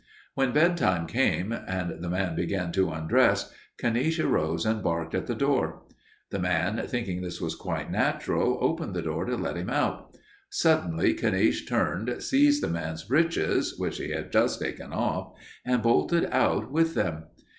"When bedtime came and the man began to undress, Caniche arose and barked at the door. The man, thinking this was quite natural, opened the door to let him out. Suddenly Caniche turned, seized the man's breeches, which he had just taken off, and bolted out with them.